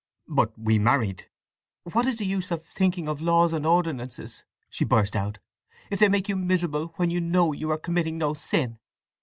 "But we married—" "What is the use of thinking of laws and ordinances," she burst out, "if they make you miserable when you know you are committing no sin?"